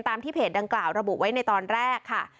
ที่เพจดังกล่าวระบุไว้ในตอนแรกค่ะ